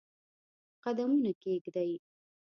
قدمونه کښېږدي